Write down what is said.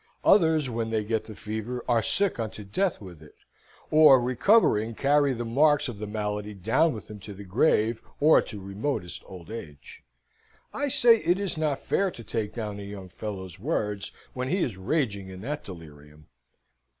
Others, when they get the fever, are sick unto death with it; or, recovering, carry the marks of the malady down with them to the grave, or to remotest old age. I say, it is not fair to take down a young fellow's words when he is raging in that delirium.